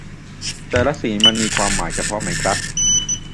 แต่ละสีมันมีความหมายเฉพาะไหมครับ